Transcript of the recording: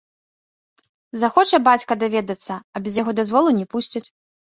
Захоча бацькі даведацца, а без яго дазволу не пусцяць.